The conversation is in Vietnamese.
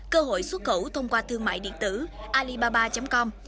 cơ hội xuất khẩu thông qua thương mại điện tử alibaba com